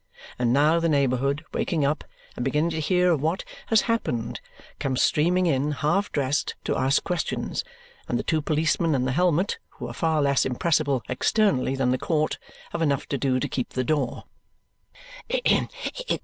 And now the neighbourhood, waking up and beginning to hear of what has happened, comes streaming in, half dressed, to ask questions; and the two policemen and the helmet (who are far less impressible externally than the court) have enough to do to keep the door.